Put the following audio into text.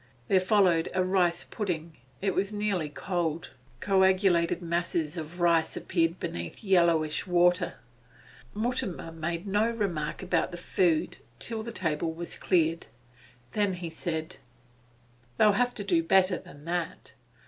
There followed a rice pudding; it was nearly cold; coagulated masses of rice appeared beneath yellowish water. Mutimer made no remark about the food till the table was cleared. Then he said: 'They'll have to do better than that.